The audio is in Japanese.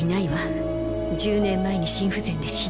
１０年前に心不全で死んだの。